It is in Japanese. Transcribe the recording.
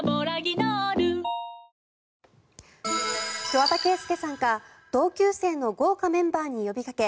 桑田佳祐さんが同級生の豪華メンバーに呼びかけ